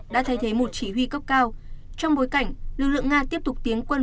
đã thay thế một chỉ huy cấp cao trong bối cảnh lực lượng nga tiếp tục tiến quân